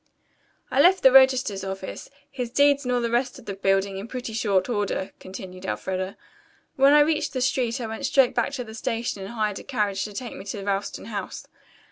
"I left the Register's office, his deeds, and all the rest of that building in pretty short order," continued Elfreda. "When I reached the street I went straight back to the station and hired a carriage to take me to Ralston House.